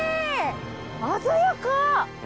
鮮やか！